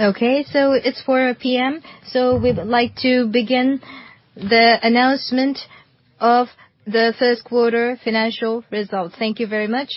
Okay. It's 4:00 P.M. We'd like to begin the announcement of the first quarter financial results. Thank you very much.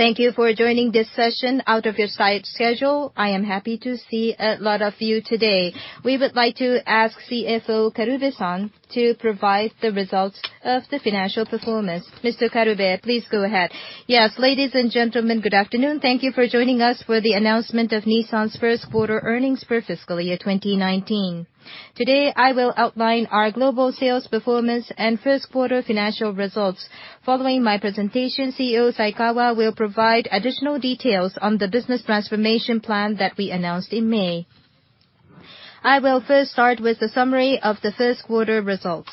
Thank you for joining this session out of your tight schedule. I am happy to see a lot of you today. We would like to ask CFO Karube-san to provide the results of the financial performance. Mr. Karube, please go ahead. Yes, ladies and gentlemen, good afternoon. Thank you for joining us for the announcement of Nissan's first quarter earnings for fiscal year 2019. Today, I will outline our global sales performance and first quarter financial results. Following my presentation, CEO Saikawa will provide additional details on the business transformation plan that we announced in May. I will first start with the summary of the first quarter results.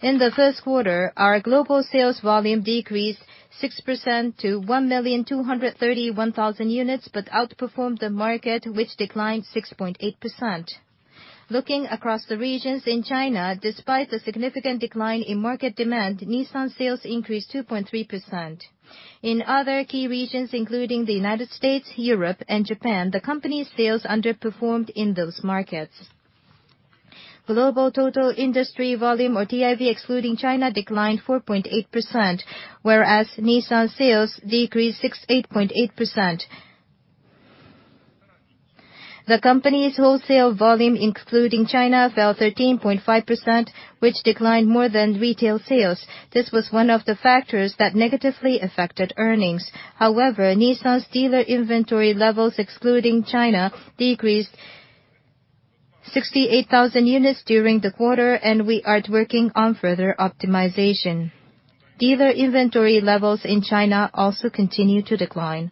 In the first quarter, our global sales volume decreased 6% to 1,231,000 units, but outperformed the market, which declined 6.8%. Looking across the regions in China, despite a significant decline in market demand, Nissan sales increased 2.3%. In other key regions, including the U.S., Europe, and Japan, the company's sales underperformed in those markets. Global total industry volume, or TIV, excluding China, declined 4.8%, whereas Nissan sales decreased 68.8%. The company's wholesale volume, including China, fell 13.5%, which declined more than retail sales. This was one of the factors that negatively affected earnings. However, Nissan's dealer inventory levels, excluding China, decreased 68,000 units during the quarter, and we are working on further optimization. Dealer inventory levels in China also continue to decline.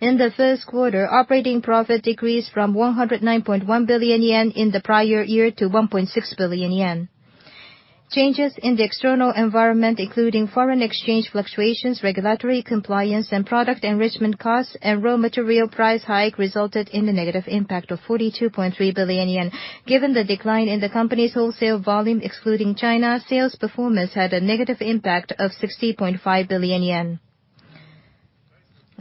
In the first quarter, operating profit decreased from 109.1 billion yen in the prior year to 1.6 billion yen. Changes in the external environment, including foreign exchange fluctuations, regulatory compliance, and product enrichment costs, and raw material price hike resulted in a negative impact of 42.3 billion yen. Given the decline in the company's wholesale volume excluding China, sales performance had a negative impact of 60.5 billion yen.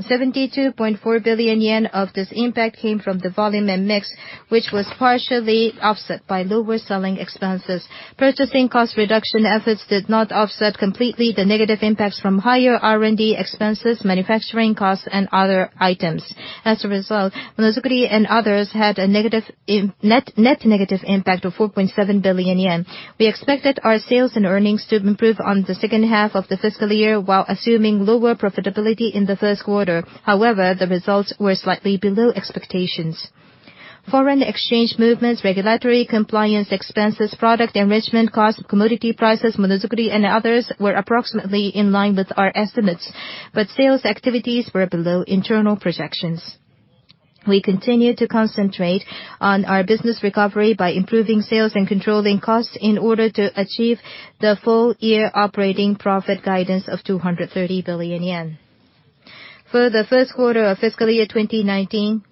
72.4 billion yen of this impact came from the volume and mix, which was partially offset by lower selling expenses. Purchasing cost reduction efforts did not offset completely the negative impacts from higher R&D expenses, manufacturing costs, and other items. As a result, Monozukuri and others had a net negative impact of 4.7 billion yen. We expected our sales and earnings to improve on the second half of the fiscal year, while assuming lower profitability in the first quarter. However, the results were slightly below expectations. Foreign exchange movements, regulatory compliance expenses, product enrichment costs, commodity prices, Monozukuri and others were approximately in line with our estimates, but sales activities were below internal projections. We continue to concentrate on our business recovery by improving sales and controlling costs in order to achieve the full-year operating profit guidance of 230 billion yen. For the first quarter of fiscal year 2019,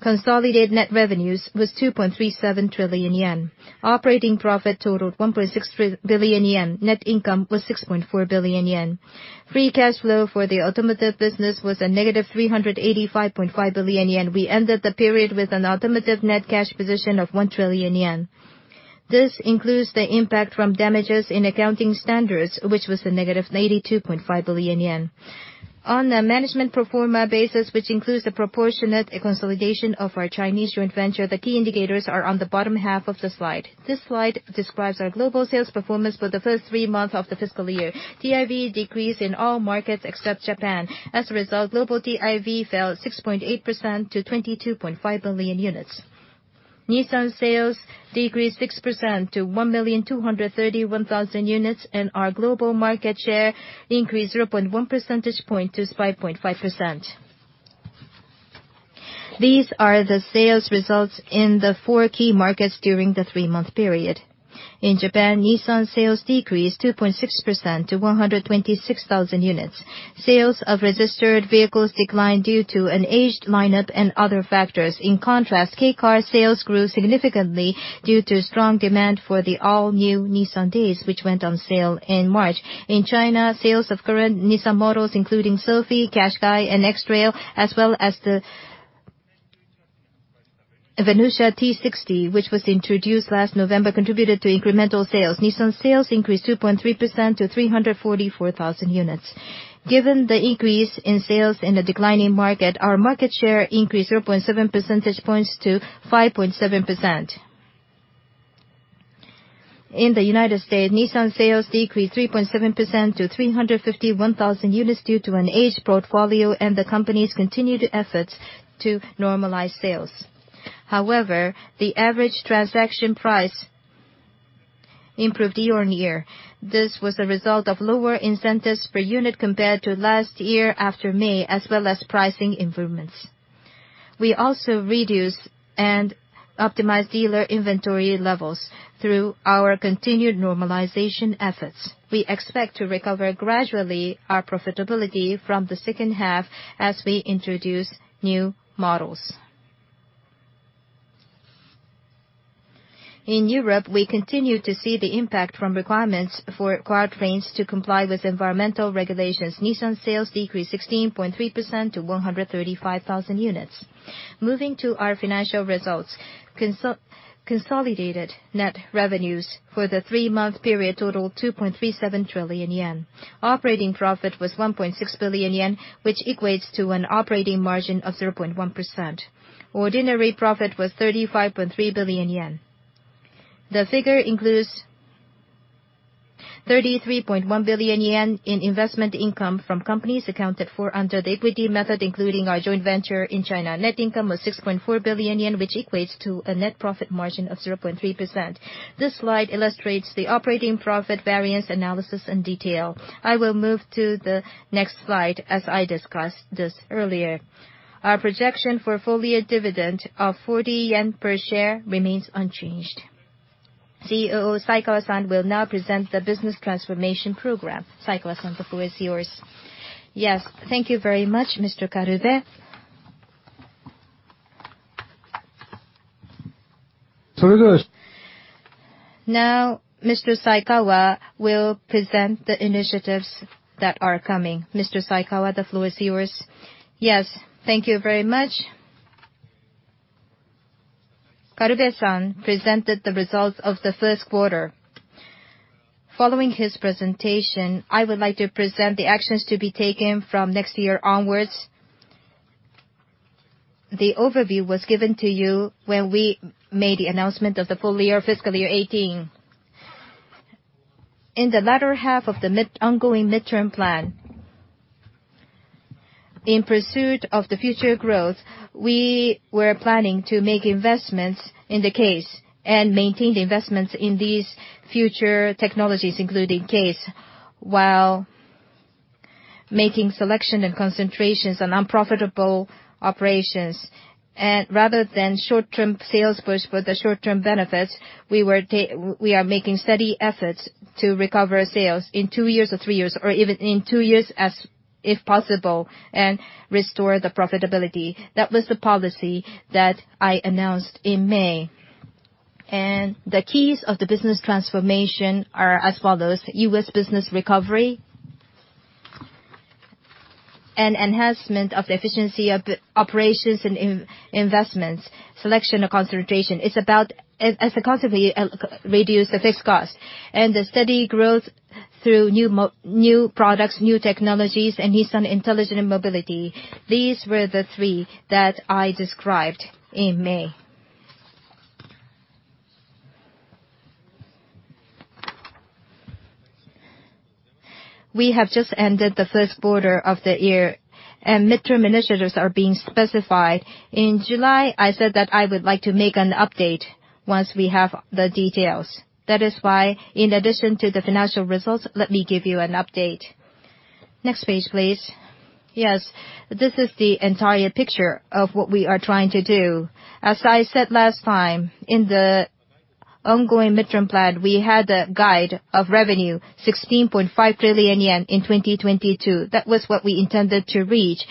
consolidated net revenues was 2.37 trillion yen. Operating profit totaled 1.6 billion yen. Net income was 6.4 billion yen. Free cash flow for the automotive business was a negative 385.5 billion yen. We ended the period with an automotive net cash position of 1 trillion yen. This includes the impact from damages in accounting standards, which was a negative 82.5 billion yen. On a management pro forma basis, which includes the proportionate consolidation of our Chinese joint venture, the key indicators are on the bottom half of the slide. This slide describes our global sales performance for the first three months of the fiscal year. TIV decreased in all markets except Japan. As a result, global TIV fell 6.8% to 22.5 million units. Nissan sales decreased 6% to 1,231,000 units, and our global market share increased 0.1 percentage point to 5.5%. These are the sales results in the four key markets during the three-month period. In Japan, Nissan sales decreased 2.6% to 126,000 units. Sales of registered vehicles declined due to an aged lineup and other factors. In contrast, K-car sales grew significantly due to strong demand for the all-new Nissan Dayz, which went on sale in March. In China, sales of current Nissan models, including Sylphy, Qashqai, and X-Trail, as well as the Venucia T60, which was introduced last November, contributed to incremental sales. Nissan sales increased 2.3% to 344,000 units. Given the increase in sales in the declining market, our market share increased 0.7 percentage points to 5.7%. In the U.S., Nissan sales decreased 3.7% to 351,000 units due to an aged portfolio and the company's continued efforts to normalize sales. The average transaction price improved year-over-year. This was a result of lower incentives per unit compared to last year after May, as well as pricing improvements. We also reduced and optimized dealer inventory levels through our continued normalization efforts. We expect to recover gradually our profitability from the second half as we introduce new models. In Europe, we continue to see the impact from requirements for powertrains to comply with environmental regulations. Nissan sales decreased 16.3% to 135,000 units. Moving to our financial results. Consolidated net revenues for the three-month period totaled 2.37 trillion yen. Operating profit was 1.6 billion yen, which equates to an operating margin of 0.1%. Ordinary profit was 35.3 billion yen. The figure includes 33.1 billion yen in investment income from companies accounted for under the equity method, including our joint venture in China. Net income was 6.4 billion yen, which equates to a net profit margin of 0.3%. This slide illustrates the operating profit variance analysis in detail. I will move to the next slide. As I discussed just earlier, our projection for full year dividend of 40 yen per share remains unchanged. CEO Saikawa-san will now present the business transformation program. Saikawa-san, the floor is yours. Yes. Thank you very much, Mr. Karube. Now, Mr. Saikawa will present the initiatives that are coming. Mr. Saikawa, the floor is yours. Yes. Thank you very much. Karube-san presented the results of the first quarter. Following his presentation, I would like to present the actions to be taken from next year onwards. The overview was given to you when we made the announcement of the full year fiscal year 2018. In the latter half of the ongoing midterm plan, in pursuit of the future growth, we were planning to make investments in the CASE and maintain the investments in these future technologies, including CASE, while making selection and concentrations on unprofitable operations. Rather than short-term sales push for the short-term benefits, we are making steady efforts to recover sales in two years or three years, or even in two years if possible, and restore the profitability. That was the policy that I announced in May. The keys of the business transformation are as follows: U.S. business recovery and enhancement of the efficiency of operations and investments. Selection of concentration is about, as a concept, reduce the fixed cost and the steady growth through new products, new technologies, and Nissan Intelligent Mobility. These were the three that I described in May. We have just ended the first quarter of the year. Midterm initiatives are being specified. In July, I said that I would like to make an update once we have the details. That is why, in addition to the financial results, let me give you an update. Next page, please. Yes. This is the entire picture of what we are trying to do. As I said last time, in the ongoing midterm plan, we had a guide of revenue 16.5 trillion yen in 2022. That was what we intended to reach.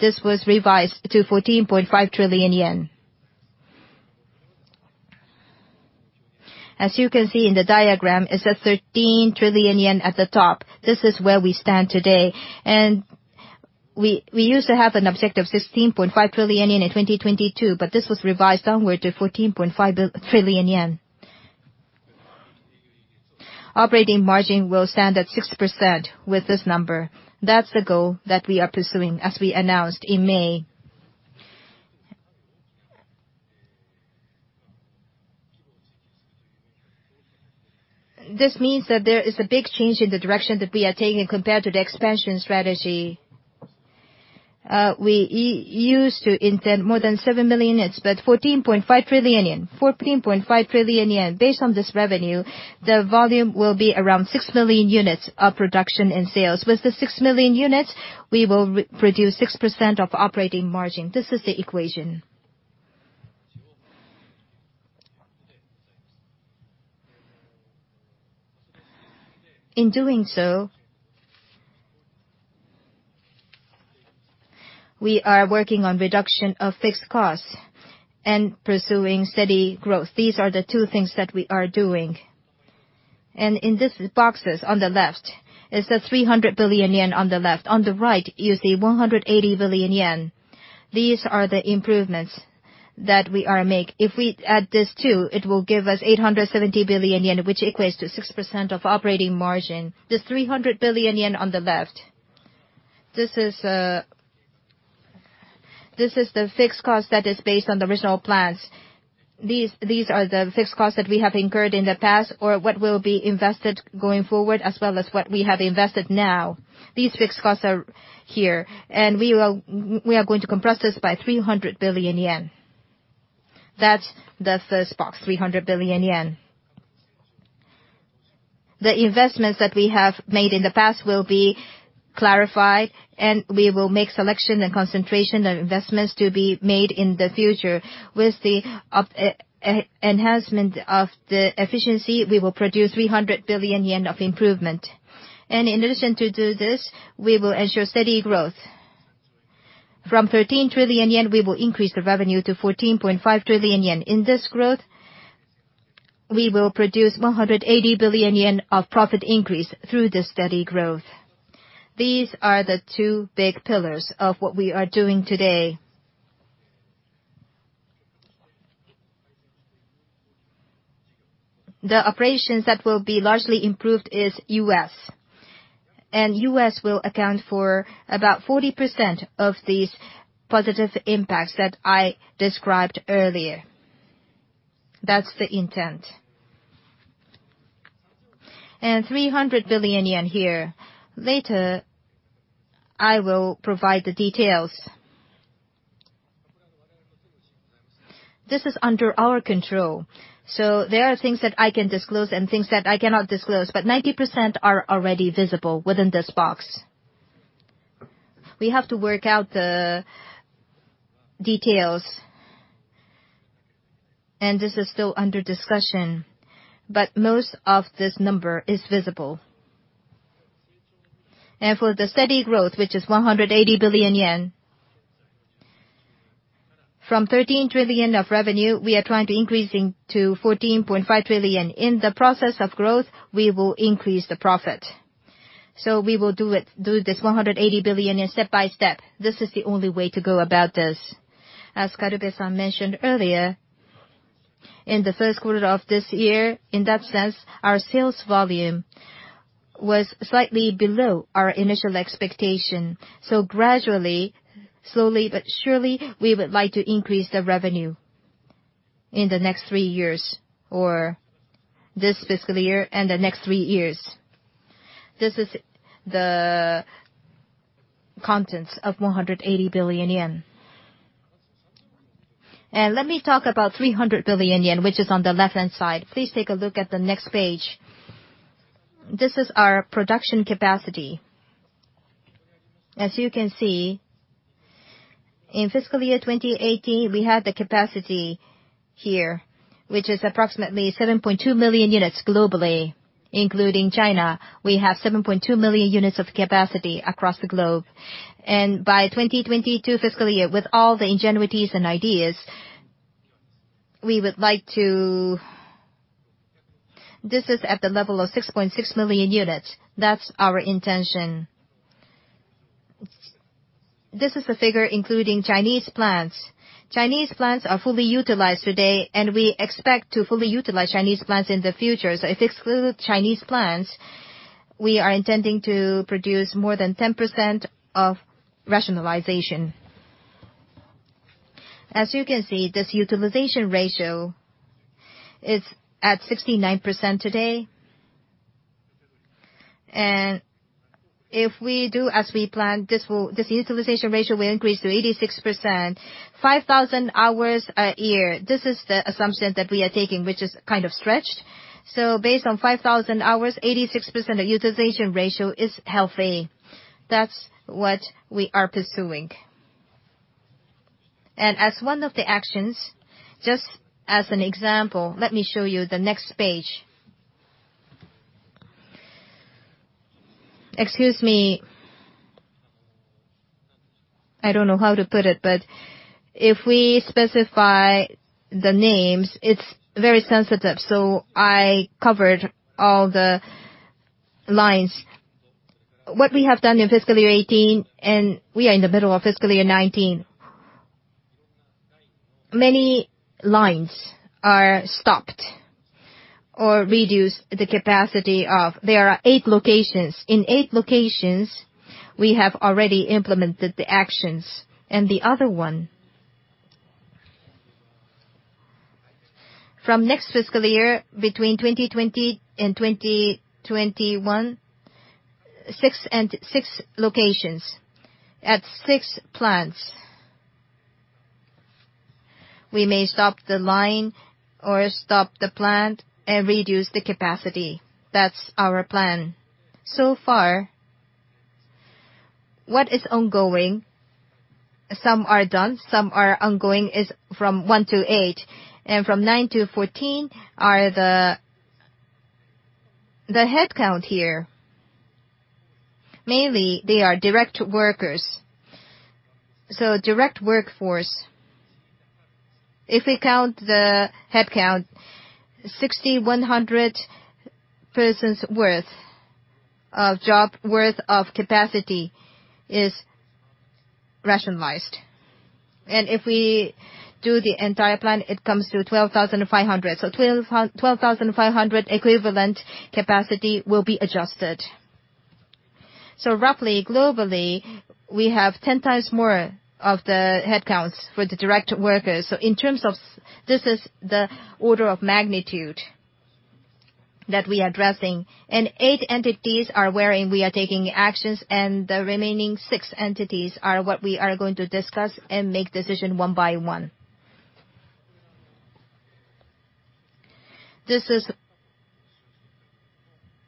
This was revised to 14.5 trillion yen. As you can see in the diagram, it says 13 trillion yen at the top. This is where we stand today. We used to have an objective 16.5 trillion yen in 2022. This was revised downward to 14.5 trillion yen. Operating margin will stand at 6% with this number. That's the goal that we are pursuing, as we announced in May. This means that there is a big change in the direction that we are taking compared to the expansion strategy. We used to intend more than 7 million units, 14.5 trillion yen. 14.5 trillion yen, based on this revenue, the volume will be around 6 million units of production and sales. With the 6 million units, we will produce 6% of operating margin. This is the equation. In doing so, we are working on reduction of fixed costs and pursuing steady growth. These are the two things that we are doing. In these boxes on the left, it says 300 billion yen on the left. On the right, you see 180 billion yen. These are the improvements that we are make. If we add these two, it will give us 870 billion yen, which equates to 6% of operating margin. This 300 billion yen on the left, this is the fixed cost that is based on the original plans. These are the fixed costs that we have incurred in the past or what will be invested going forward, as well as what we have invested now. These fixed costs are here, and we are going to compress this by 300 billion yen. That's the first box, 300 billion yen. The investments that we have made in the past will be clarified, and we will make selection and concentration of investments to be made in the future. With the enhancement of the efficiency, we will produce 300 billion yen of improvement. In addition to this, we will ensure steady growth. From 13 trillion yen, we will increase the revenue to 14.5 trillion yen. In this growth, we will produce 180 billion yen of profit increase through this steady growth. These are the two big pillars of what we are doing today. The operations that will be largely improved is U.S., and U.S. will account for about 40% of these positive impacts that I described earlier. That's the intent. 300 billion yen here. Later, I will provide the details. This is under our control, so there are things that I can disclose and things that I cannot disclose, but 90% are already visible within this box. We have to work out the details, and this is still under discussion. Most of this number is visible. For the steady growth, which is 180 billion yen, from 13 trillion of revenue, we are trying to increase it to 14.5 trillion. In the process of growth, we will increase the profit. We will do this 180 billion step by step. This is the only way to go about this. As Karube-san mentioned earlier, in the first quarter of this year, in that sense, our sales volume was slightly below our initial expectation. Gradually, slowly but surely, we would like to increase the revenue in the next three years, or this fiscal year and the next three years. This is the contents of 180 billion yen. Let me talk about 300 billion yen, which is on the left-hand side. Please take a look at the next page. This is our production capacity. As you can see, in fiscal year 2018, we had the capacity here, which is approximately 7.2 million units globally, including China. We have 7.2 million units of capacity across the globe. By 2022 fiscal year, with all the ingenuities and ideas, this is at the level of 6.6 million units. That's our intention. This is a figure including Chinese plants. Chinese plants are fully utilized today, and we expect to fully utilize Chinese plants in the future. If we exclude Chinese plants, we are intending to produce more than 10% of rationalization. As you can see, this utilization ratio is at 69% today, and if we do as we plan, this utilization ratio will increase to 86%, 5,000 hours a year. This is the assumption that we are taking, which is kind of stretched. Based on 5,000 hours, 86% utilization ratio is healthy. That's what we are pursuing. As one of the actions, just as an example, let me show you the next page. Excuse me. I don't know how to put it, but if we specify the names, it's very sensitive, so I covered all the lines. What we have done in fiscal year 2018, and we are in the middle of fiscal year 2019, many lines are stopped or reduced the capacity of. There are eight locations. In eight locations, we have already implemented the actions, and the other one. From next fiscal year, between 2020 and 2021, six locations. At six plants, we may stop the line or stop the plant and reduce the capacity. That's our plan. Far, what is ongoing, some are done, some are ongoing, is from one to eight, and from nine to 14 are the headcount here. Mainly, they are direct workers. Direct workforce, if we count the headcount, 6,100 persons worth of job worth of capacity is rationalized. If we do the entire plan, it comes to 12,500. 12,500 equivalent capacity will be adjusted. Roughly, globally, we have 10 times more of the headcounts for the direct workers. This is the order of magnitude that we are addressing, 8 entities are where we are taking actions, and the remaining 6 entities are what we are going to discuss and make decision one by one. This is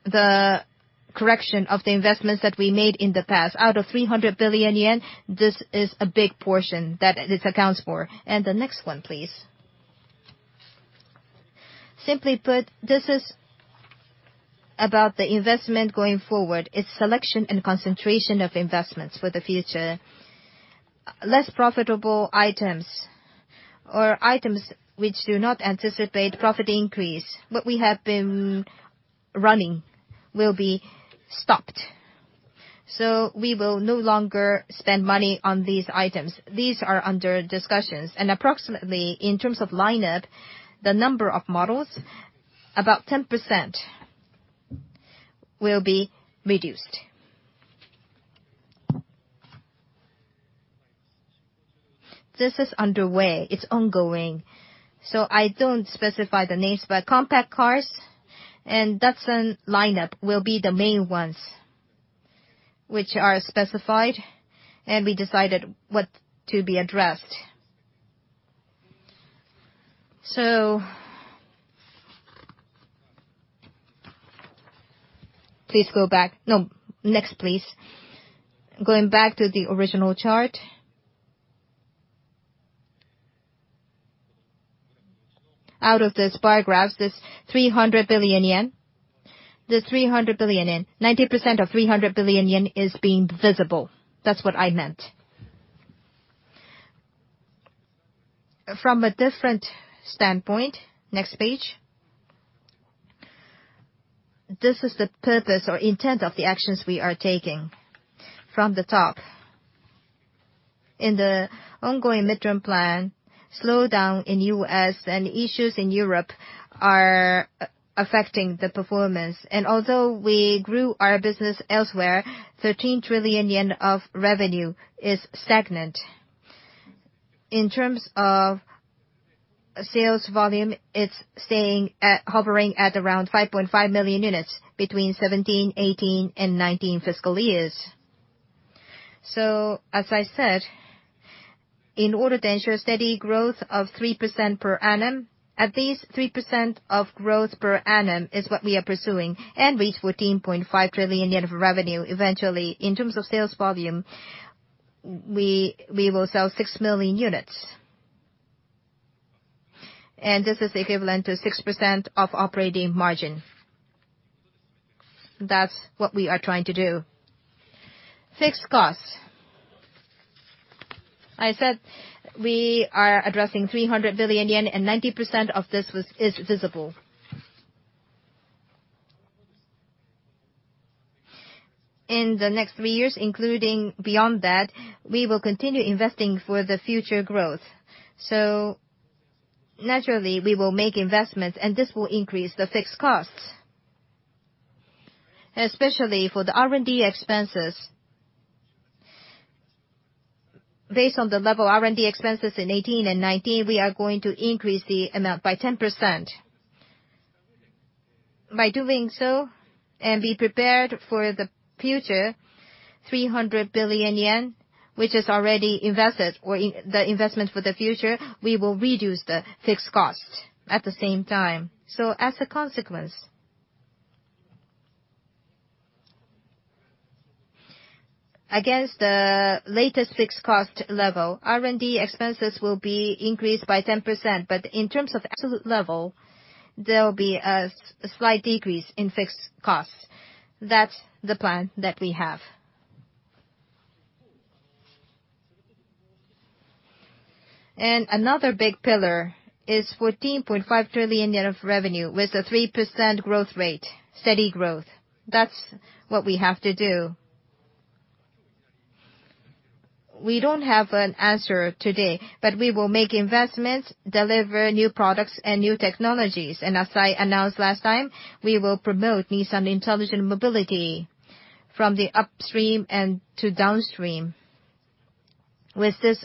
the correction of the investments that we made in the past. Out of 300 billion yen, this is a big portion that this accounts for. The next one, please. Simply put, this is about the investment going forward. It's selection and concentration of investments for the future. Less profitable items or items which do not anticipate profit increase, what we have been running will be stopped. We will no longer spend money on these items. These are under discussions. Approximately, in terms of lineup, the number of models, about 10% will be reduced. This is underway. It's ongoing. I don't specify the names, but compact cars and Datsun lineup will be the main ones which are specified, and we decided what to be addressed. Please go back. No. Next, please. Going back to the original chart. Out of this bar graph, this 300 billion yen. The 300 billion yen, 90% of 300 billion yen is being visible. That's what I meant. From a different standpoint, next page. This is the purpose or intent of the actions we are taking. From the top, in the ongoing midterm plan, slowdown in U.S. and issues in Europe are affecting the performance. Although we grew our business elsewhere, 13 trillion yen of revenue is stagnant. In terms of sales volume, it's hovering at around 5.5 million units between 2017, 2018, and 2019 fiscal years. As I said, in order to ensure steady growth of 3% per annum, at least 3% of growth per annum is what we are pursuing, and reach 14.5 trillion yen of revenue eventually. In terms of sales volume, we will sell 6 million units. This is equivalent to 6% of operating margin. That's what we are trying to do. Fixed costs. I said we are addressing 300 billion yen, and 90% of this is visible. In the next three years, including beyond that, we will continue investing for the future growth. Naturally, we will make investments, and this will increase the fixed costs, especially for the R&D expenses. Based on the level of R&D expenses in 2018 and 2019, we are going to increase the amount by 10%. By doing so, be prepared for the future 300 billion yen, which is already invested, or the investment for the future, we will reduce the fixed cost at the same time. As a consequence, against the latest fixed cost level, R&D expenses will be increased by 10%, but in terms of absolute level, there'll be a slight decrease in fixed costs. That's the plan that we have. Another big pillar is 14.5 trillion yen of revenue, with a 3% growth rate, steady growth. That's what we have to do. We don't have an answer today, we will make investments, deliver new products and new technologies. As I announced last time, we will promote Nissan Intelligent Mobility from the upstream and to downstream. With this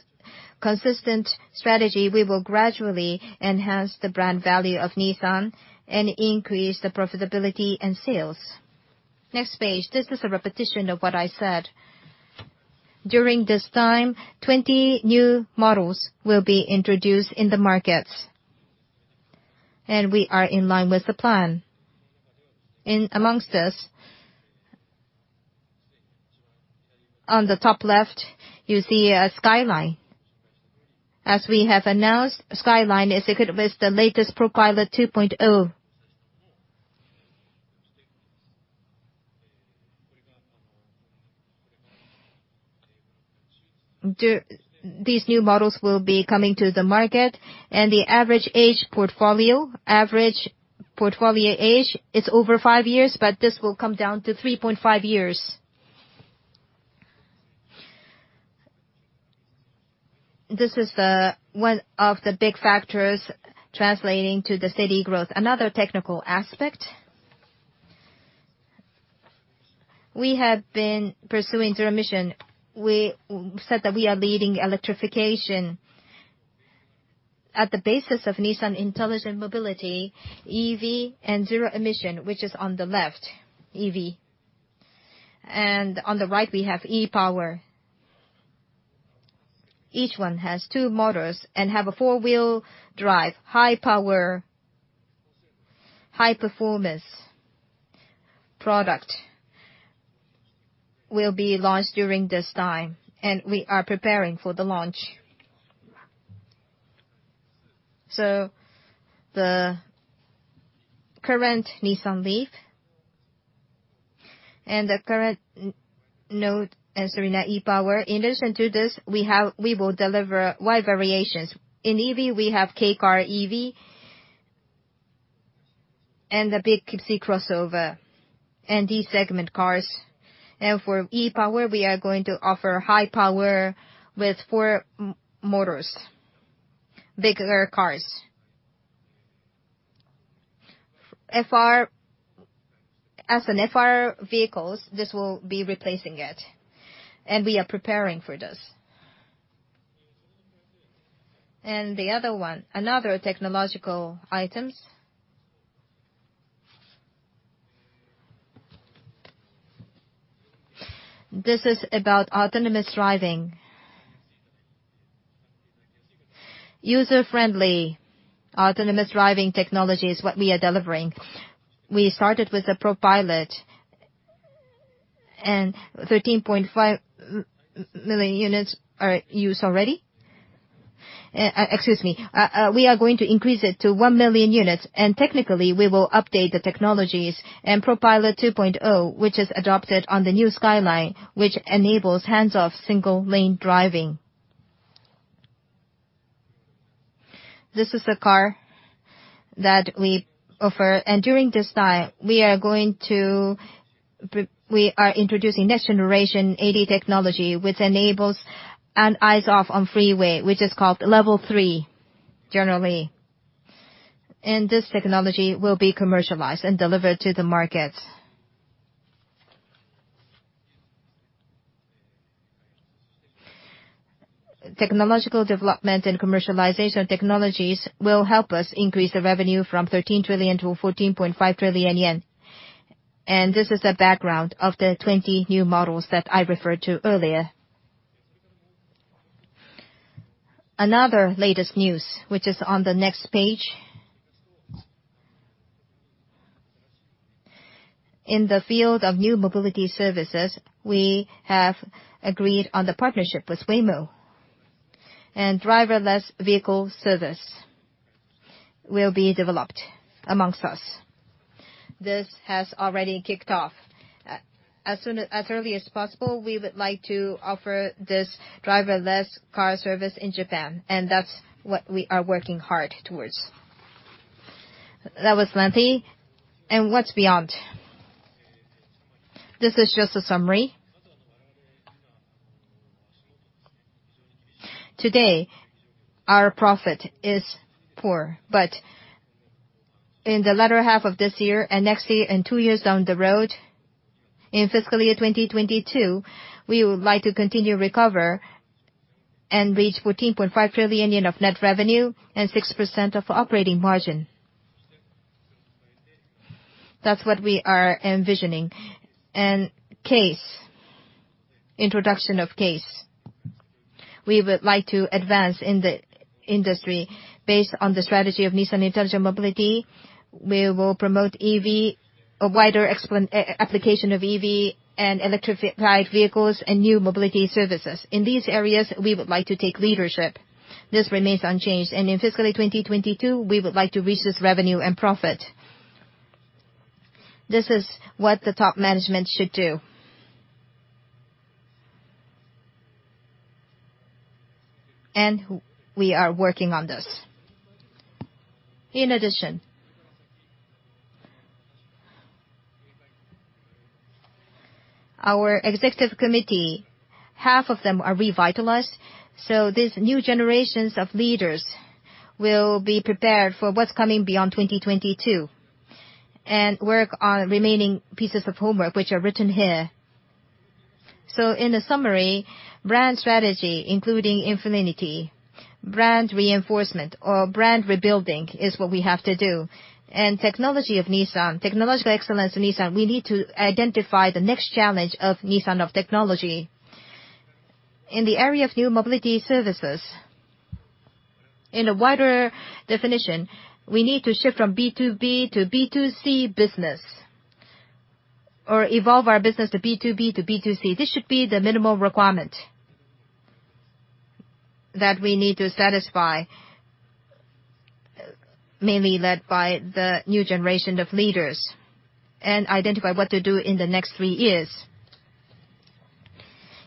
consistent strategy, we will gradually enhance the brand value of Nissan and increase the profitability and sales. Next page. This is a repetition of what I said. During this time, 20 new models will be introduced in the markets. We are in line with the plan. Amongst this, on the top left, you see a Skyline. As we have announced, Skyline is equipped with the latest ProPILOT 2.0. These new models will be coming to the market, and the average age portfolio, average portfolio age is over five years, but this will come down to 3.5 years. This is one of the big factors translating to the city growth. Another technical aspect, we have been pursuing zero emission. We said that we are leading electrification. At the basis of Nissan Intelligent Mobility, EV and zero emission, which is on the left, EV. On the right, we have e-POWER. Each one has two motors and have a four-wheel drive, high power, high performance product. Will be launched during this time, and we are preparing for the launch. The current Nissan LEAF, and the current Note and Serena e-POWER. In addition to this, we will deliver wide variations. In EV, we have Kei car EV and the big C crossover, and D-segment cars. For e-POWER, we are going to offer high power with four motors, bigger cars. As an FR vehicles, this will be replacing it, and we are preparing for this. The other one, another technological item. This is about autonomous driving. User-friendly autonomous driving technology is what we are delivering. We started with the ProPILOT, and 13.5 million units are used already. Excuse me. We are going to increase it to 1 million units. Technically, we will update the technologies in ProPILOT 2.0, which is adopted on the new Skyline, which enables hands-off single lane driving. This is the car that we offer. During this time, we are introducing next generation AD technology, which enables an eyes off on freeway, which is called Level 3, generally. This technology will be commercialized and delivered to the market. Technological development and commercialization technologies will help us increase the revenue from 13 trillion JPY to 14.5 trillion yen. This is the background of the 20 new models that I referred to earlier. Another latest news, which is on the next page. In the field of new mobility services, we have agreed on the partnership with Waymo, and driverless vehicle service will be developed amongst us. This has already kicked off. As early as possible, we would like to offer this driverless car service in Japan, that's what we are working hard towards. That was lengthy. What's beyond? This is just a summary. Today, our profit is poor, but in the latter half of this year and next year and two years down the road, in FY 2022, we would like to continue recover and reach 14.5 trillion yen of net revenue and 6% of operating margin. That's what we are envisioning. CASE, introduction of CASE. We would like to advance in the industry based on the strategy of Nissan Intelligent Mobility. We will promote EV, a wider application of EV and electrified vehicles, and new mobility services. In these areas, we would like to take leadership. This remains unchanged. In FY 2022, we would like to reach this revenue and profit. This is what the top management should do. We are working on this. In addition, our executive committee, half of them are revitalized. These new generations of leaders will be prepared for what's coming beyond 2022 and work on remaining pieces of homework, which are written here. In the summary, brand strategy, including INFINITI, brand reinforcement or brand rebuilding is what we have to do. Technology of Nissan, technological excellence of Nissan, we need to identify the next challenge of Nissan of technology. In the area of new mobility services, in a wider definition, we need to shift from B2B to B2C business or evolve our business to B2B to B2C. This should be the minimum requirement that we need to satisfy, mainly led by the new generation of leaders, and identify what to do in the next three years.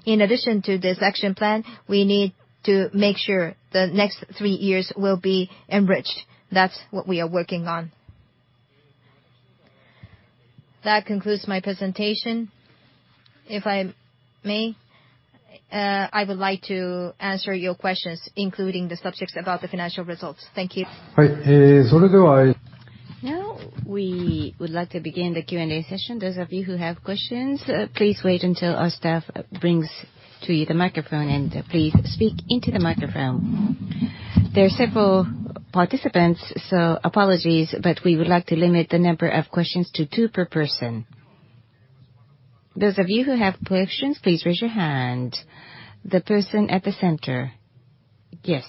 In addition to this action plan, we need to make sure the next three years will be enriched. That's what we are working on. That concludes my presentation. If I may, I would like to answer your questions, including the subjects about the financial results. Thank you. Now, we would like to begin the Q&A session. Those of you who have questions, please wait until our staff brings to you the microphone and please speak into the microphone. There are several participants, so apologies, but we would like to limit the number of questions to two per person. Those of you who have questions, please raise your hand. The person at the center. Yes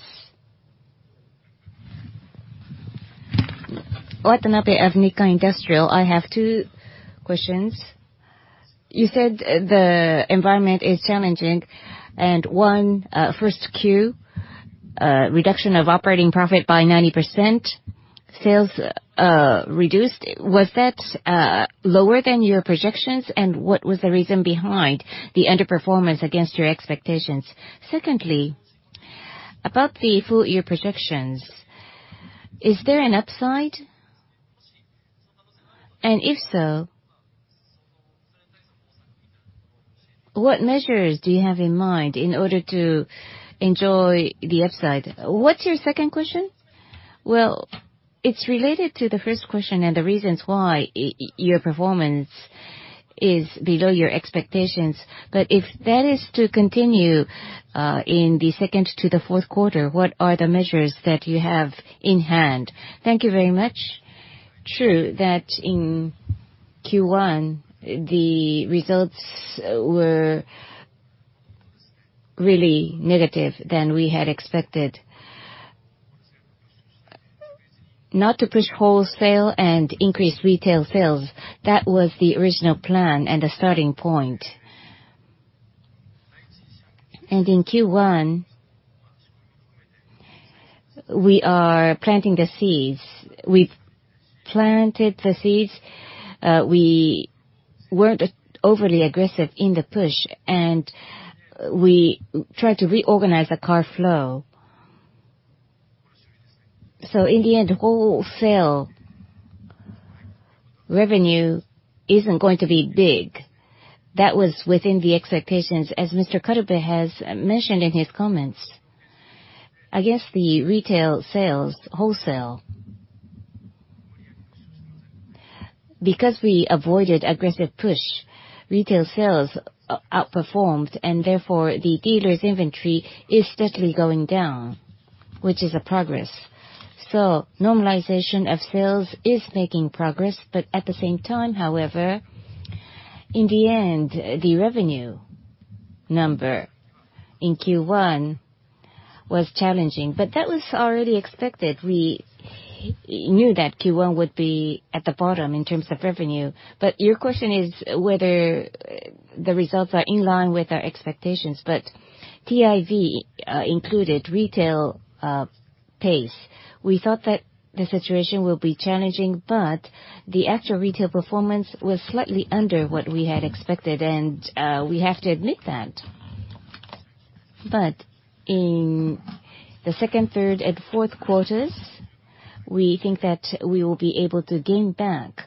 Watanabe of Nikkei. I have two questions. One, first Q, reduction of operating profit by 90%, sales reduced. Was that lower than your projections? What was the reason behind the underperformance against your expectations? Secondly, about the full year projections, is there an upside? If so, what measures do you have in mind in order to enjoy the upside? What's your second question? Well, it's related to the first question and the reasons why your performance is below your expectations. If that is to continue in the second to the fourth quarter, what are the measures that you have in hand? Thank you very much. True that in Q1 the results were really negative than we had expected. Not to push wholesale and increase retail sales, that was the original plan and the starting point. In Q1, we are planting the seeds. We've planted the seeds. We weren't overly aggressive in the push, and we tried to reorganize the car flow. In the end, wholesale revenue isn't going to be big. That was within the expectations, as Mr. Karube has mentioned in his comments. Against the retail sales, wholesale Because we avoided aggressive push, retail sales outperformed, and therefore, the dealer's inventory is steadily going down, which is a progress. Normalization of sales is making progress, but at the same time, however, in the end, the revenue number in Q1 was challenging. That was already expected. We knew that Q1 would be at the bottom in terms of revenue. Your question is whether the results are in line with our expectations. TIV, included retail pace, we thought that the situation will be challenging, but the actual retail performance was slightly under what we had expected, and we have to admit that. In the second, third, and fourth quarters, we think that we will be able to gain back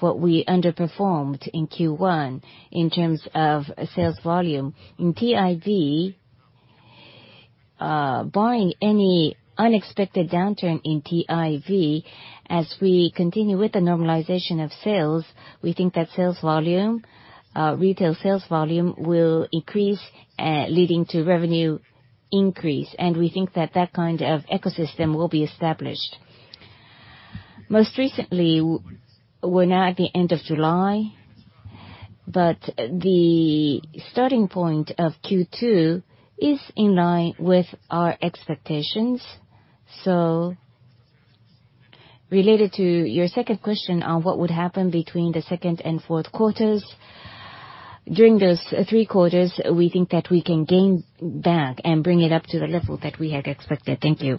what we underperformed in Q1 in terms of sales volume. In TIV, barring any unexpected downturn in TIV, as we continue with the normalization of sales, we think that sales volume, retail sales volume, will increase, leading to revenue increase. We think that kind of ecosystem will be established. Most recently, we're now at the end of July, but the starting point of Q2 is in line with our expectations. Related to your second question on what would happen between the second and fourth quarters, during those three quarters, we think that we can gain back and bring it up to the level that we had expected. Thank you.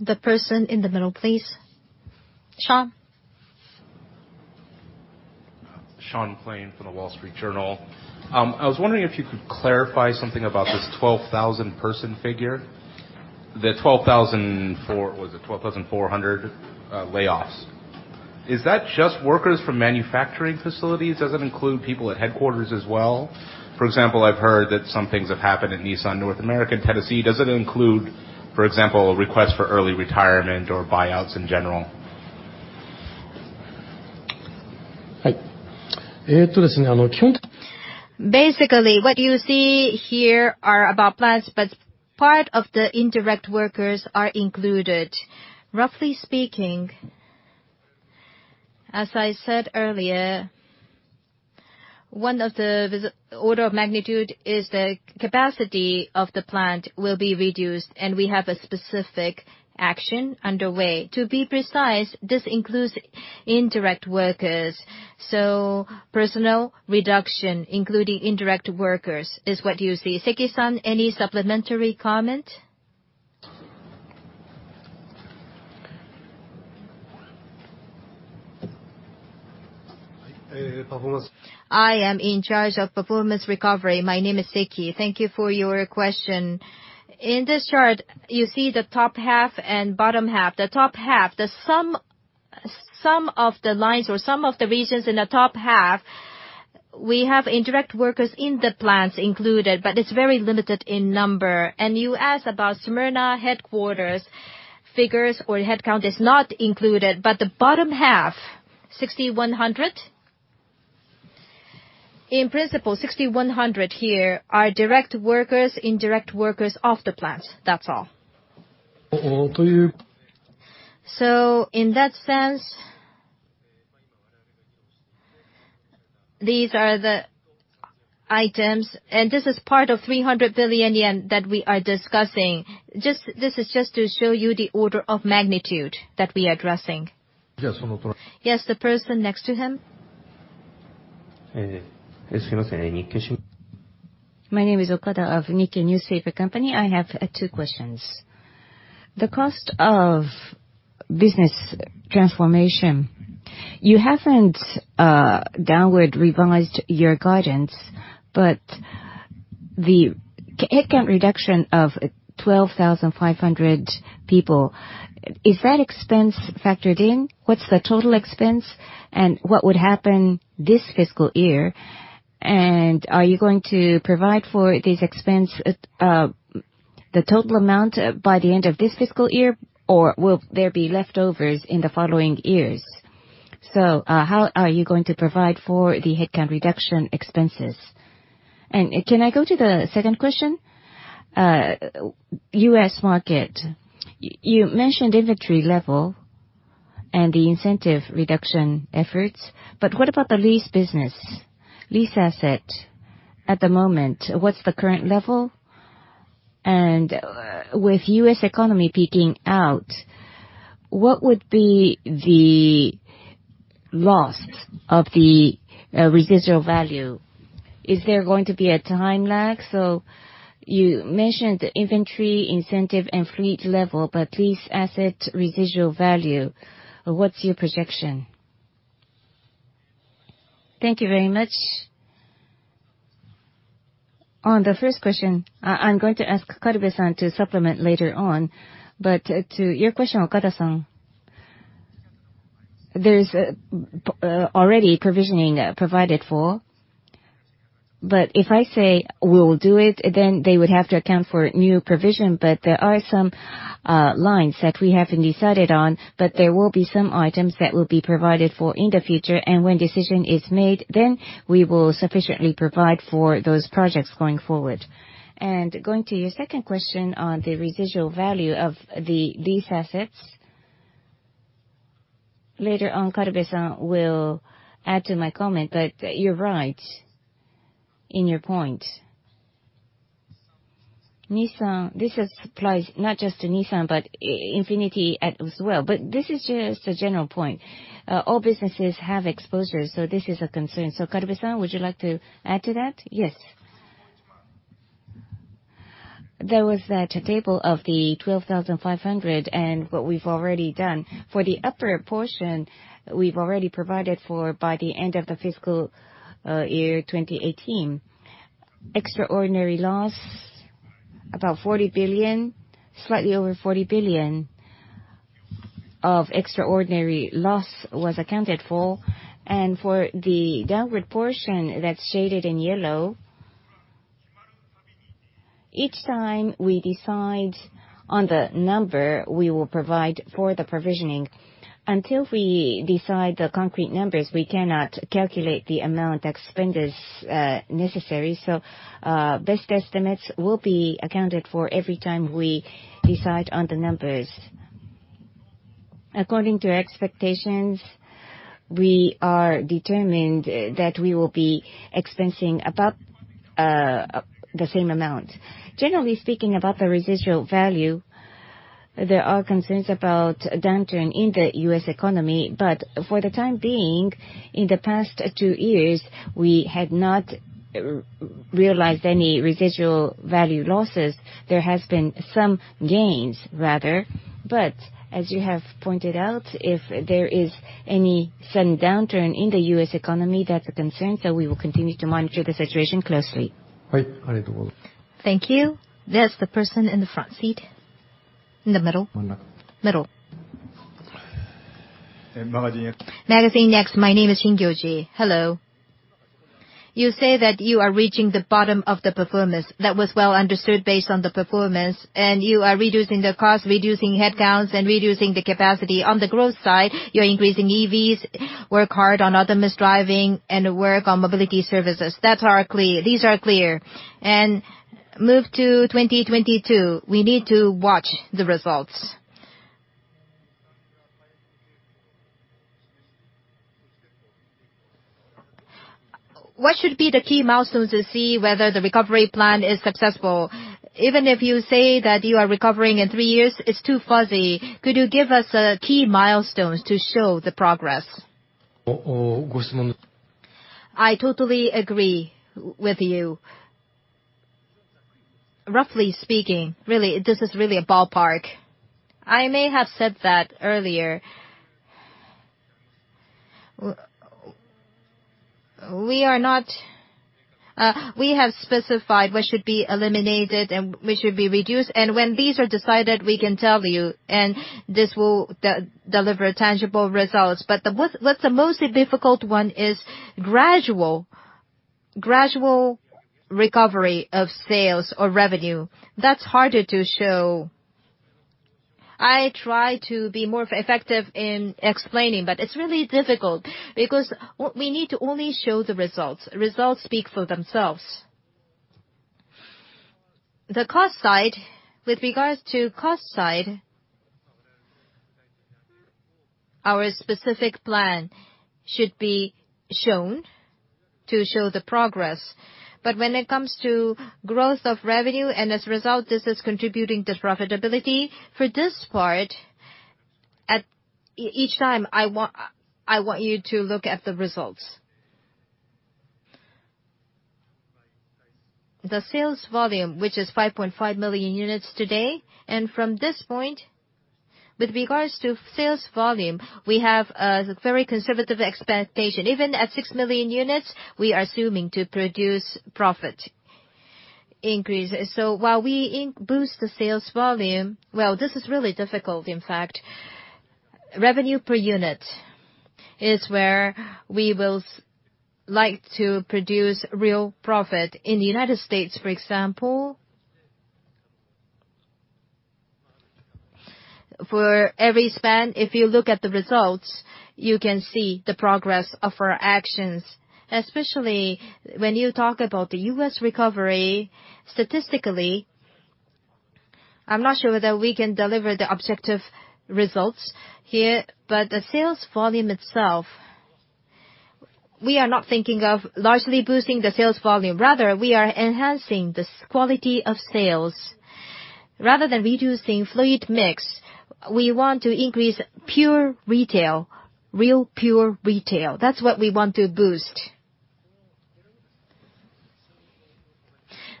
The person in the middle, please. Sean? Sean McLain from The Wall Street Journal. I was wondering if you could clarify something about this 12,000-person figure. The 12,400 layoffs. Is that just workers from manufacturing facilities? Does it include people at headquarters as well? For example, I've heard that some things have happened at Nissan North America in Tennessee. Does it include, for example, a request for early retirement or buyouts in general? What you see here are about plants, but part of the indirect workers are included. Roughly speaking, as I said earlier, one of the order of magnitude is the capacity of the plant will be reduced, and we have a specific action underway. To be precise, this includes indirect workers. Personal reduction, including indirect workers, is what you see. Seki, any supplementary comment? I am in charge of performance recovery. My name is Seki. Thank you for your question. In this chart, you see the top half and bottom half. The top half, some of the lines or some of the regions in the top half, we have indirect workers in the plants included, but it's very limited in number. You asked about Smyrna headquarters figures or headcount is not included, but the bottom half, 6,100. In principle, 6,100 here are direct workers, indirect workers of the plants. That's all. These are the items, and this is part of 300 billion yen that we are discussing. This is just to show you the order of magnitude that we are addressing. Yes, the person next to him. My name is Okada of Nihon Keizai Shimbun. I have two questions. The cost of business transformation. You haven't downward revised your guidance, but the headcount reduction of 12,500 people, is that expense factored in? What's the total expense, and what would happen this fiscal year? Are you going to provide for this expense, the total amount, by the end of this fiscal year, or will there be leftovers in the following years? How are you going to provide for the headcount reduction expenses? Can I go to the second question? U.S. market. You mentioned inventory level and the incentive reduction efforts, but what about the lease business, lease asset at the moment? What's the current level? With U.S. economy peaking out, what would be the loss of the residual value? Is there going to be a time lag? You mentioned the inventory incentive and fleet level, but lease asset residual value, what's your projection? Thank you very much. On the first question, I'm going to ask Karube-san to supplement later on. To your question, Okada-san, there is already provisioning provided for, but if I say we will do it, then they would have to account for new provision. There are some lines that we haven't decided on, but there will be some items that will be provided for in the future. When a decision is made, then we will sufficiently provide for those projects going forward. Going to your second question on the residual value of these assets, later on, Karube-san will add to my comment, but you're right in your point. Nissan, this applies not just to Nissan, but INFINITI as well. This is just a general point. All businesses have exposure, so this is a concern. Karube-san, would you like to add to that? Yes. There was that table of the 12,500 and what we've already done. For the upper portion, we've already provided for by the end of the fiscal year 2018. Extraordinary loss, about 40 billion, slightly over 40 billion of extraordinary loss was accounted for. For the downward portion that's shaded in yellow, each time we decide on the number, we will provide for the provisioning. Until we decide the concrete numbers, we cannot calculate the amount of expenditures necessary. Best estimates will be accounted for every time we decide on the numbers. According to expectations, we are determined that we will be expensing about the same amount. Generally speaking, about the residual value, there are concerns about a downturn in the U.S. economy, but for the time being, in the past two years, we had not realized any residual value losses. There has been some gains rather. As you have pointed out, if there is any sudden downturn in the U.S. economy, that's a concern, so we will continue to monitor the situation closely. Thank you. Yes, the person in the front seat. In the middle. Middle. Magazine Next. Magazine Next. My name is Shingyoji. Hello. You say that you are reaching the bottom of the performance. That was well understood based on the performance. You are reducing the cost, reducing headcounts, and reducing the capacity. On the growth side, you're increasing EVs, work hard on autonomous driving, and work on mobility services. That are clear. These are clear. Move to 2022, we need to watch the results. What should be the key milestones to see whether the recovery plan is successful? Even if you say that you are recovering in three years, it's too fuzzy. Could you give us key milestones to show the progress? I totally agree with you. Roughly speaking, this is really a ballpark. I may have said that earlier. We have specified what should be eliminated and what should be reduced, and when these are decided, we can tell you, and this will deliver tangible results. The most difficult one is gradual recovery of sales or revenue. That's harder to show. I try to be more effective in explaining, but it's really difficult because we need to only show the results. Results speak for themselves. The cost side, with regards to cost side Our specific plan should be shown to show the progress. When it comes to growth of revenue, and as a result, this is contributing to profitability, for this part, at each time, I want you to look at the results. The sales volume, which is 5.5 million units today, and from this point, with regards to sales volume, we have a very conservative expectation. Even at 6 million units, we are assuming to produce profit increase. While we boost the sales volume, well, this is really difficult, in fact. Revenue per unit is where we will like to produce real profit. In the United States, for example, for every spend, if you look at the results, you can see the progress of our actions, especially when you talk about the U.S. recovery, statistically, I'm not sure whether we can deliver the objective results here. The sales volume itself, we are not thinking of largely boosting the sales volume. Rather, we are enhancing the quality of sales. Rather than reducing fleet mix, we want to increase pure retail, real pure retail. That's what we want to boost.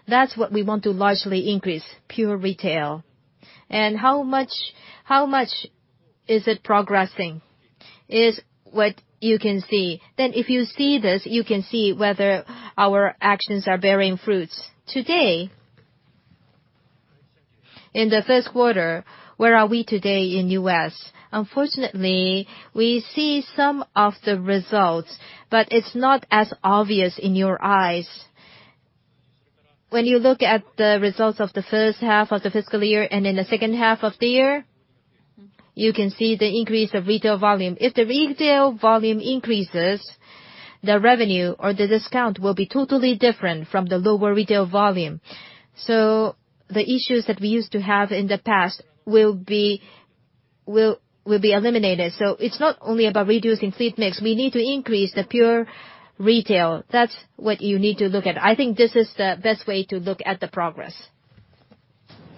That's what we want to largely increase, pure retail. How much is it progressing, is what you can see. If you see this, you can see whether our actions are bearing fruits. Today, in the first quarter, where are we today in U.S.? Unfortunately, we see some of the results, but it's not as obvious in your eyes. When you look at the results of the first half of the fiscal year and in the second half of the year, you can see the increase of retail volume. If the retail volume increases, the revenue or the discount will be totally different from the lower retail volume. The issues that we used to have in the past will be eliminated. It's not only about reducing fleet mix. We need to increase the pure retail. That's what you need to look at. I think this is the best way to look at the progress.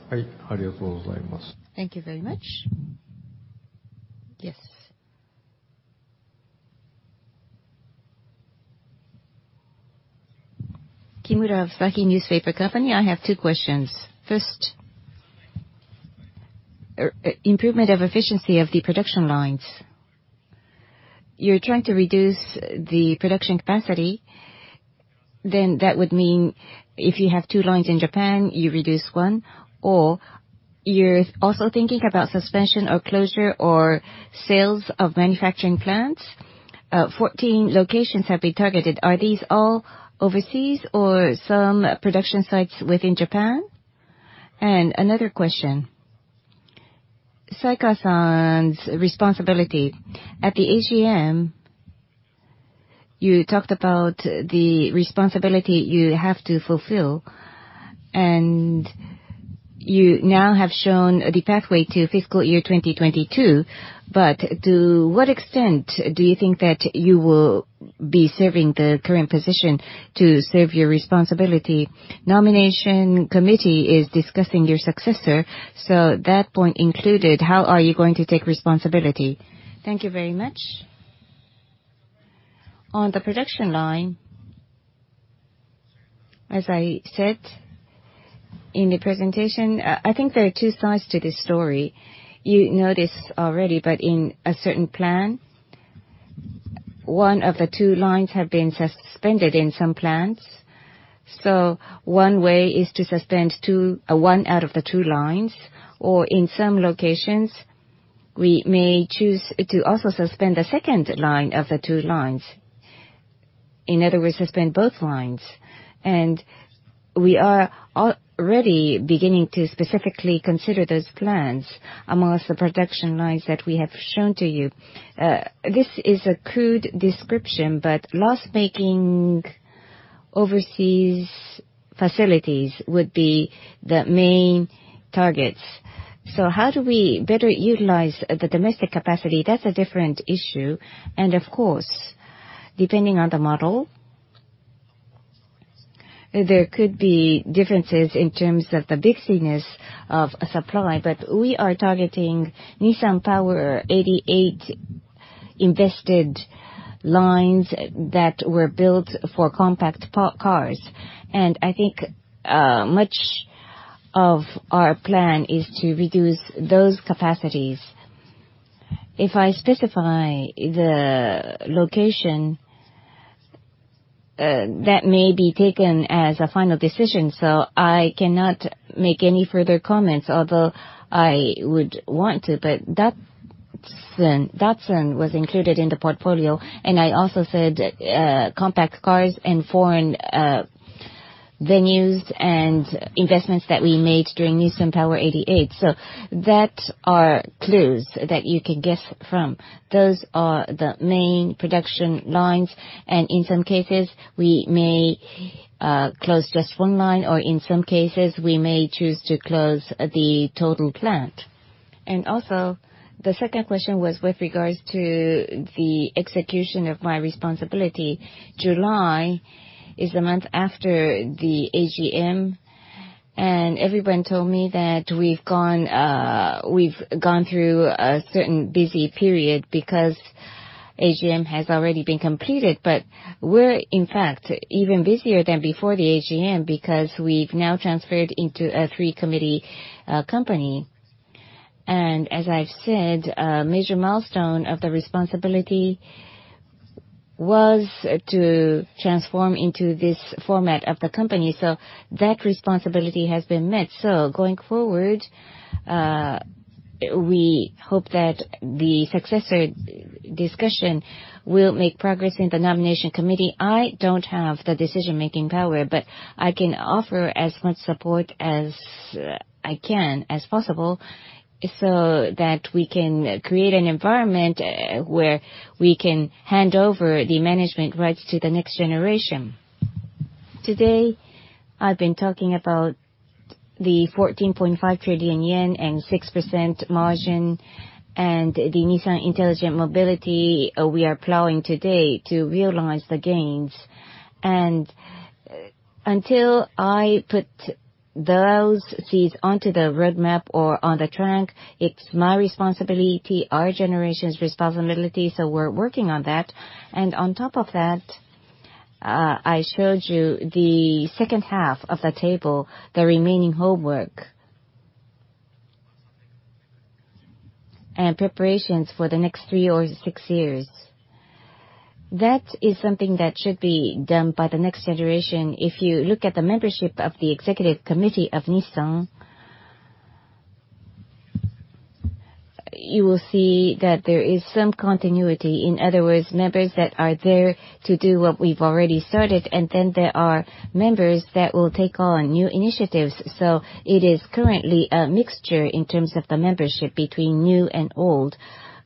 Thank you very much. Thank you very much. Yes. Kimura, Yomiuri Shimbun company. I have two questions. First, improvement of efficiency of the production lines. You're trying to reduce the production capacity, then that would mean if you have two lines in Japan, you reduce one, or you're also thinking about suspension of closure or sales of manufacturing plants? 14 locations have been targeted. Are these all overseas or some production sites within Japan? Another question. Saikawa-san's responsibility. At the AGM, you talked about the responsibility you have to fulfill, and you now have shown the pathway to fiscal year 2022, but to what extent do you think that you will be serving the current position to serve your responsibility? Nomination committee is discussing your successor, so that point included, how are you going to take responsibility? Thank you very much. On the production line, as I said in the presentation, I think there are two sides to this story. You know this already, but in a certain plant, one of the two lines have been suspended in some plants. One way is to suspend one out of the two lines, or in some locations, we may choose to also suspend the second line of the two lines. In other words, suspend both lines. We are already beginning to specifically consider those plants amongst the production lines that we have shown to you. This is a crude description, but loss-making overseas facilities would be the main targets. How do we better utilize the domestic capacity? That's a different issue. Of course, depending on the model, there could be differences in terms of the busyness of supply. We are targeting Nissan Power 88 invested lines that were built for compact cars. I think much of our plan is to reduce those capacities. If I specify the location, that may be taken as a final decision, so I cannot make any further comments, although I would want to. Datsun was included in the portfolio, and I also said compact cars in foreign venues and investments that we made during Nissan Power 88. That are clues that you can guess from. Those are the main production lines, and in some cases, we may close just one line, or in some cases, we may choose to close the total plant. The second question was with regards to the execution of my responsibility. July is the month after the AGM, and everyone told me that we've gone through a certain busy period because AGM has already been completed. We're in fact even busier than before the AGM, because we've now transferred into a three-committee company. As I've said, a major milestone of the responsibility was to transform into this format of the company, so that responsibility has been met. Going forward, we hope that the successor discussion will make progress in the nomination committee. I don't have the decision-making power, but I can offer as much support as I can as possible so that we can create an environment where we can hand over the management rights to the next generation. Today, I've been talking about the 14.5 trillion yen and 6% margin and the Nissan Intelligent Mobility we are plowing today to realize the gains. Until I put those seeds onto the roadmap or on the track, it's my responsibility, our generation's responsibility, we're working on that. On top of that, I showed you the second half of the table, the remaining homework and preparations for the next three or six years. That is something that should be done by the next generation. If you look at the membership of the executive committee of Nissan, you will see that there is some continuity. In other words, members that are there to do what we've already started, then there are members that will take on new initiatives. It is currently a mixture in terms of the membership between new and old.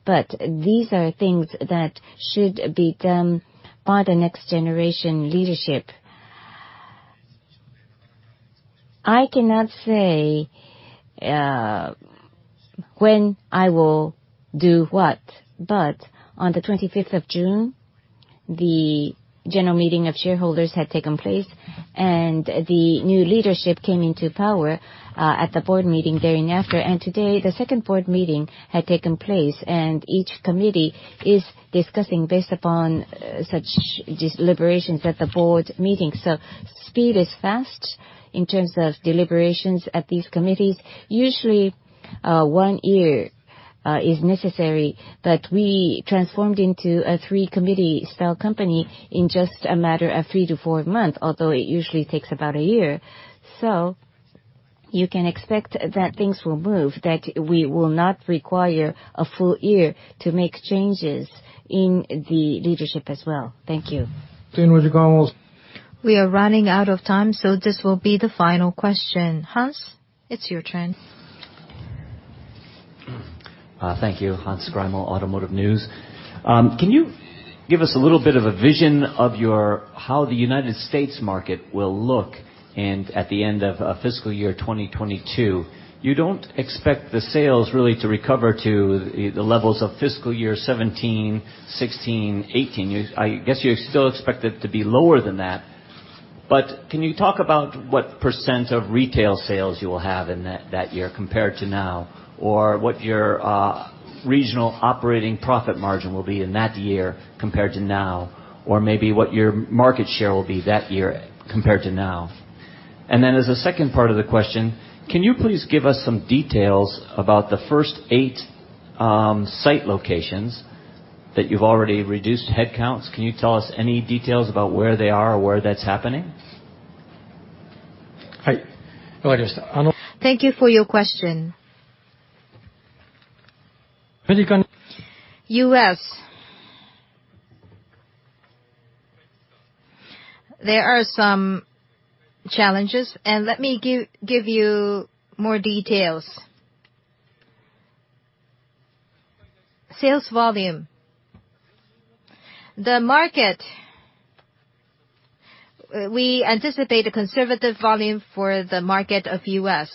These are things that should be done by the next generation leadership. I cannot say when I will do what, but on the 25th of June, the general meeting of shareholders had taken place, and the new leadership came into power at the board meeting day and after. Today, the second board meeting had taken place, and each committee is discussing based upon such deliberations at the board meeting. Speed is fast in terms of deliberations at these committees. Usually, one year is necessary, but we transformed into a three-committee style company in just a matter of three to four months, although it usually takes about a year. You can expect that things will move, that we will not require a full year to make changes in the leadership as well. Thank you. We are running out of time, so this will be the final question. Hans, it's your turn. Thank you. Hans Greimel, Automotive News. Can you give us a little bit of a vision of how the U.S. market will look at the end of fiscal year 2022? You don't expect the sales really to recover to the levels of fiscal year 2017, 2016, 2018. I guess you still expect it to be lower than that, but can you talk about what % of retail sales you will have in that year compared to now, or what your regional operating profit margin will be in that year compared to now, or maybe what your market share will be that year compared to now? As a second part of the question, can you please give us some details about the first eight site locations that you've already reduced headcounts? Can you tell us any details about where they are or where that's happening? Thank you for your question. U.S., there are some challenges, and let me give you more details. Sales volume. The market, we anticipate a conservative volume for the market of U.S.,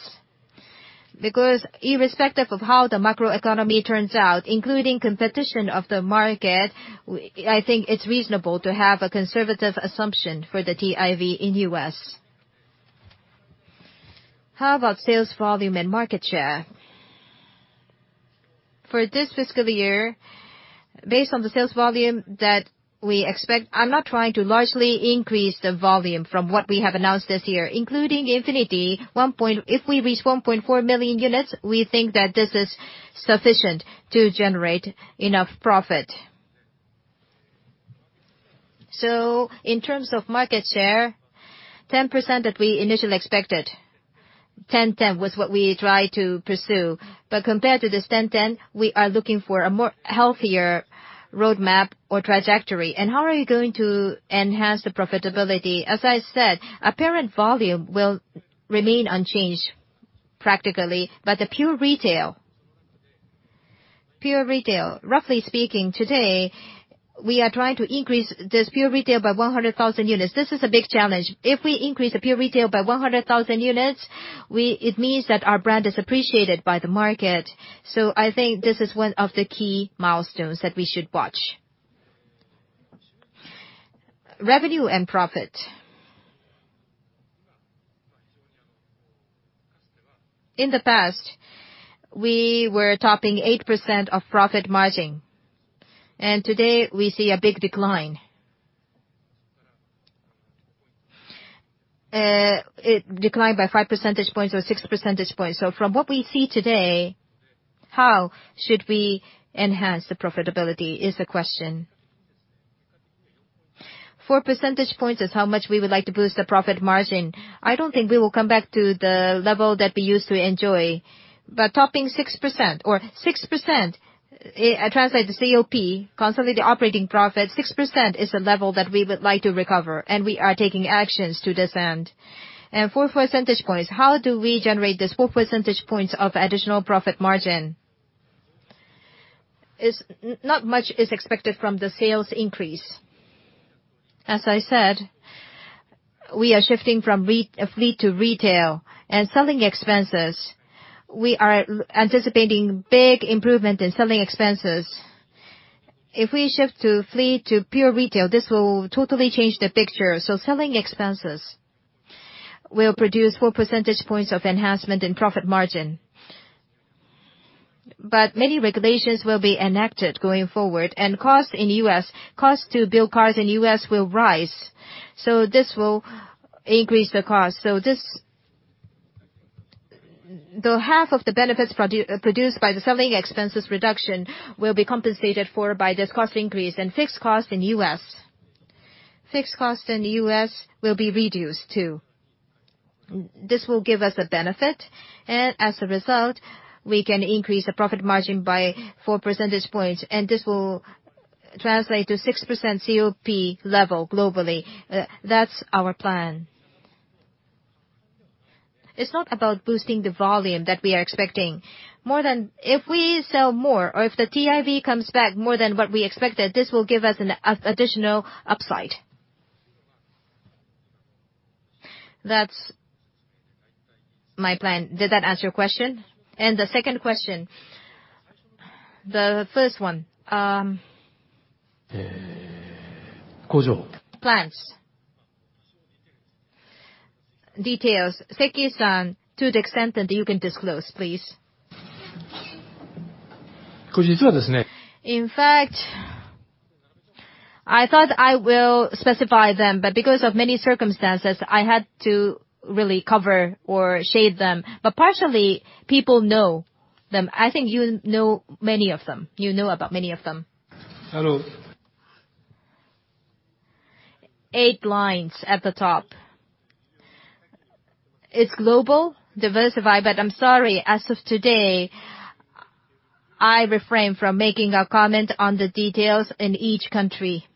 because irrespective of how the macroeconomy turns out, including competition of the market, I think it's reasonable to have a conservative assumption for the TIV in U.S. How about sales volume and market share? For this fiscal year, based on the sales volume that we expect, I'm not trying to largely increase the volume from what we have announced this year, including INFINITI. If we reach 1.4 million units, we think that this is sufficient to generate enough profit. In terms of market share, 10% that we initially expected, 10/10 was what we tried to pursue. Compared to this 10/10, we are looking for a more healthier roadmap or trajectory. How are you going to enhance the profitability? As I said, apparent volume will remain unchanged practically, but the pure retail Pure retail. Roughly speaking, today, we are trying to increase this pure retail by 100,000 units. This is a big challenge. If we increase the pure retail by 100,000 units, it means that our brand is appreciated by the market. I think this is one of the key milestones that we should watch. Revenue and profit. In the past, we were topping 8% of profit margin, and today we see a big decline. It declined by five percentage points or six percentage points. From what we see today, how should we enhance the profitability is the question. Four percentage points is how much we would like to boost the profit margin. I don't think we will come back to the level that we used to enjoy. Topping 6% or 6%, it translates to COP, constantly operating profit, 6% is the level that we would like to recover, and we are taking actions to this end. 4 percentage points, how do we generate this 4 percentage points of additional profit margin? Not much is expected from the sales increase. As I said, we are shifting from fleet to retail and selling expenses. We are anticipating big improvement in selling expenses. If we shift to fleet to pure retail, this will totally change the picture. Selling expenses will produce 4 percentage points of enhancement in profit margin. Many regulations will be enacted going forward, and cost in U.S., cost to build cars in U.S. will rise. This will increase the cost. Half of the benefits produced by the selling expenses reduction will be compensated for by this cost increase and fixed costs in U.S. Fixed costs in the U.S. will be reduced, too. This will give us a benefit, and as a result, we can increase the profit margin by 4 percentage points, and this will translate to 6% COP level globally. That's our plan. It's not about boosting the volume that we are expecting. If we sell more or if the TIV comes back more than what we expected, this will give us an additional upside. That's my plan. Did that answer your question? The second question. The first one. Plans. Details. Seki-san, to the extent that you can disclose, please. In fact, I thought I will specify them, but because of many circumstances, I had to really cover or shade them. Partially, people know them. I think you know many of them. You know about many of them. Eight lines at the top. It's global diversified, but I'm sorry, as of today, I refrain from making a comment on the details in each country.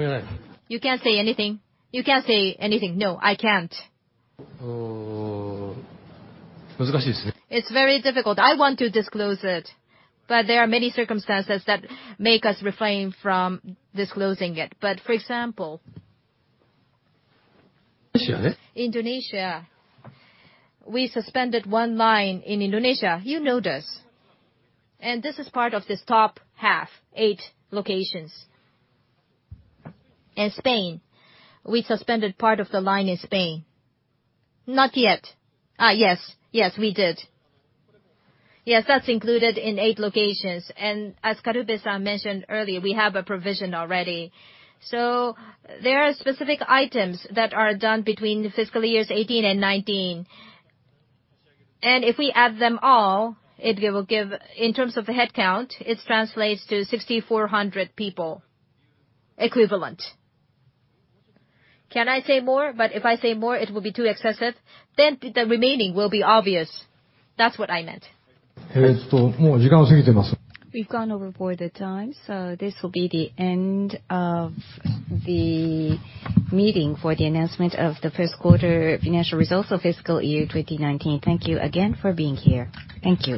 You can't say anything? You can't say anything. No, I can't. It's very difficult. I want to disclose it, but there are many circumstances that make us refrain from disclosing it. For example, Indonesia, we suspended one line in Indonesia. You know this, and this is part of this top half, eight locations. In Spain, we suspended part of the line in Spain. Not yet. Yes. Yes, we did. Yes, that's included in eight locations. As Karube-san mentioned earlier, we have a provision already. There are specific items that are done between fiscal years 2018 and 2019. If we add them all, it will give, in terms of the head count, it translates to 6,400 people equivalent. Can I say more? If I say more, it will be too excessive, then the remaining will be obvious. That's what I meant. We've gone over for the time. This will be the end of the meeting for the announcement of the first quarter financial results of fiscal year 2019. Thank you again for being here. Thank you.